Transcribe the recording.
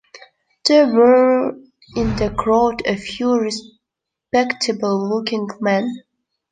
There were in the crowd a few respectable-looking men.